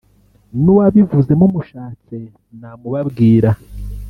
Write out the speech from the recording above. n’uwabivuze mumushatse namubabwira